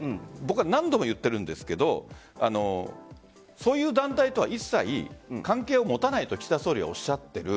何度も言っているんですがそういう団体とは一切関係を持たないと岸田総理はおっしゃっている。